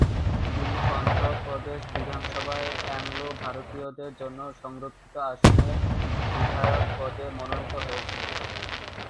তিনি অন্ধ্র প্রদেশ বিধানসভায় অ্যাংলো-ভারতীয়দের জন্য সংরক্ষিত আসনের বিধায়ক পদে মনোনীত হয়েছিলেন।